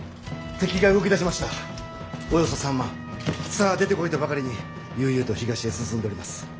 さあ出てこいとばかりに悠々と東へ進んでおります。